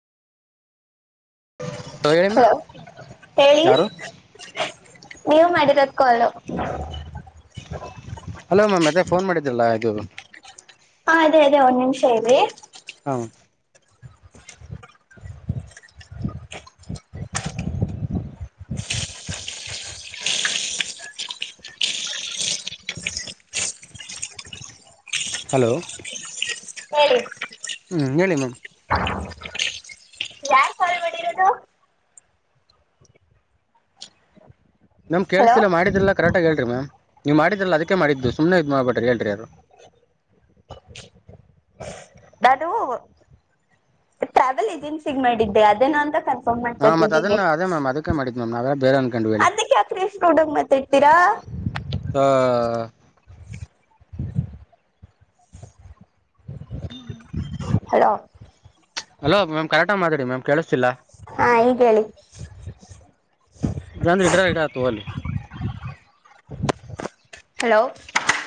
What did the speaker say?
ಹೇಳಿ ma'am hello ಹೇಳಿ ಯಾರು ನೀವು ಮಾಡಿರದ್ ಕಾಲು [inaudible] ಹಲೋ ಮಾಮ ಅದ ಫೋನ್ ಮಾಡಿದ್ಲ ಇದು ಹ ಅದೇ ಅದೇ ಒಂದ್ ನಿಮಿಷ ಇರಿ ಹೌ ಹಲೋ ಹೇಳಿ ಹ್ಮ್ ಹೇಳಿ ಮ್ಯಾಮ್ ಯಾರ್ ಕಾಲ್ ಮಾಡಿರೋದು ನಮ್ ಹಲೋ ಕೇಳಿಸ್ತಿಲ್ಲ ಮಾಡಿದ್ಲ್ಲ ಕರೆಕ್ಟಾಗಿ ಹೇಳ್ರಿ ಮ್ಯಾಮ್ ನೀವು ಮಾಡಿದ್ರಲ್ಲ ಅದಕ್ಕೆ ಮಾಡಿದ್ದು ಸುಮ್ಮನೆ ಇದ್ ಮಾಡ್ಬೇಡ್ರಿ ಹೇಳ್ರಿ ಅದು ನಾನು ಟ್ರಾವೆಲ್ ಏಜೆನ್ಸಿಗೆ ಮಾಡಿದ್ದೆ ಅದೇ ಅಂತ ಕ ಹಾ ಮತ್ತತ್ ಅದನ್ನ ಅದೇ ಮ್ಯಾಮ್ ಅದಕ್ಕೆ ಮಾಡಿದ್ದ ನಮ್ಮ ಬೇ ಅದಕ್ಕೆ ಯಾಕ್ರಿ ಅಸ್ತು ರೂಡೆ ಆಗಿ ಮಾತಾಡ್ತಿರಾ ಹ ಹಲೋ ಅಲೋ ಮ್ಯಾಮ್ ಕರೆಕ್ಟಾಗಿ ಮಾತಾಡಿ ಮ್ಯಾಮ್ ಕೇಳುತ್ತಿಲ್ಲ ಹಾ ಈಗ್ ಹೇಳಿ ಜನ್ ರಟ್ರ ರಡಾತು ಅಲ್ಲಿ ಹಲೋ